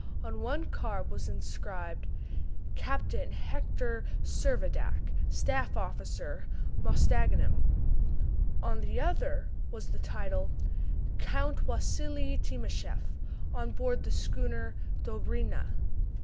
On one of the cards was inscribed: Captain Hector Servadac, Staff Officer, Mostaganem. On the other was the title: _Count Wassili Timascheff, On board the Schooner "Dobryna."